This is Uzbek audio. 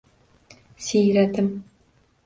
Siyratim.